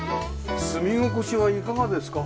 住み心地はいかがですか？